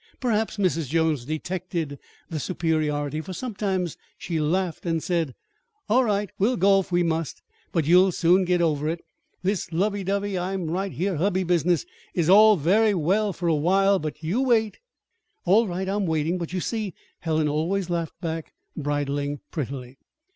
Perhaps Mrs. Jones detected the superiority, for sometimes she laughed, and said: "All right, we'll go if you must; but you'll soon get over it. This lovey dovey I'm right here hubby business is all very well for a while, but you wait!" "All right, I'm waiting. But you see!" Helen always laughed back, bridling prettily.